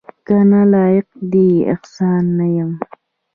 کنه لایق دې د احسان نه یمه